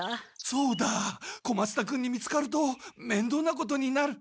そうだ小松田君に見つかるとめんどうなことになる。